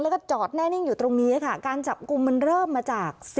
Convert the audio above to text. แล้วก็จอดแน่นิ่งอยู่ตรงนี้ค่ะการจับกลุ่มมันเริ่มมาจาก